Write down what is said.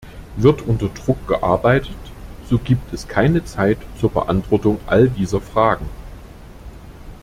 Wird unter Druck gearbeitet, so gibt es keine Zeit zur Beantwortung all dieser Fragen.